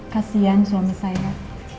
kasian suami saya